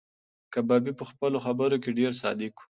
کبابي په خپلو خبرو کې ډېر صادق و.